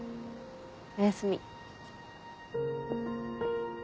おやすみ。